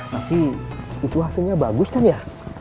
tapi itu hasilnya bagus kan ya